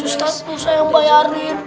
ustadz musa yang bayarin